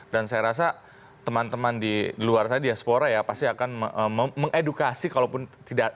dan saya rasa teman teman di luar diaspora pasti akan mengedukasi kalau sudah tidak